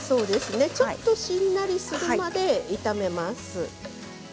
ちょっとしんなりするまで炒めます。